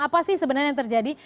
apa sih sebenarnya yang terjadi